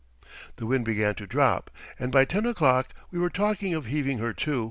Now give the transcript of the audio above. The wind began to drop, and by ten o'clock we were talking of heaving her to.